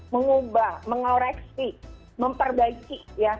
mengubah mengoreksi memperbaiki ya